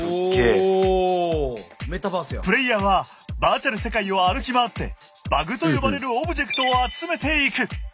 プレイヤーはバーチャル世界を歩き回って「バグ」と呼ばれるオブジェクトを集めていく！